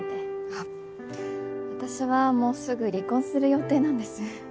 あ私はもうすぐ離婚する予定なんです。